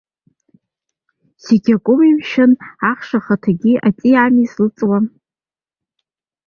Зегь акоуми, мшәан, ахш ахаҭагьы ҵиаауми излыҵуа.